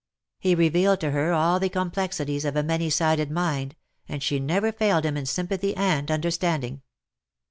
He revealed to her all the complexities of a many sided mind, and she never failed him in sympathy and understanding.